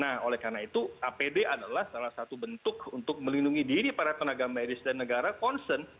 nah oleh karena itu apd adalah salah satu bentuk untuk melindungi diri para tenaga medis dan negara concern